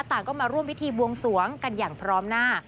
ต่างก็มาร่วมพิธีบวงสวงกันอย่างพร้อมหน้า